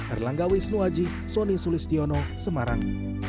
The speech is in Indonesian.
erlanggawi snoaji sonny sulistiono semarang